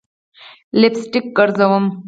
لپ سټک ګرزوم